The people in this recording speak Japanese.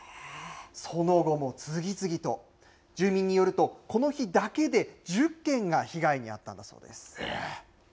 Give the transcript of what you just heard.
その後も次々と住民によるとこの日だけで１０件が被害に遭ったんだそうです。